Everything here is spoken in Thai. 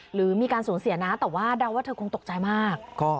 หรือมีการสูญเสียนะแต่ว่าเดาว่าเธอคงตกใจมาก